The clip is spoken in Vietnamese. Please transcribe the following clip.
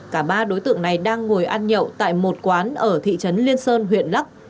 cả ba đối tượng này đang ngồi ăn nhậu tại một quán ở thị trấn liên sơn huyện lắc